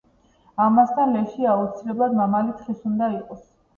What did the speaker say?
ამასთან, ლეში აუცილებლად მამალი თხის უნდა იყოს.